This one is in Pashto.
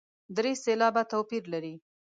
درې سېلابه توپیر لري.